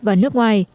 và nền tảng